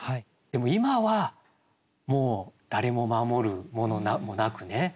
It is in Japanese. でも今はもう誰も守るものもなくね。